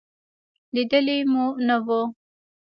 لېدلې مو نه وه.